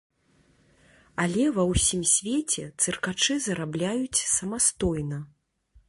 Але ва ўсім свеце цыркачы зарабляюць самастойна!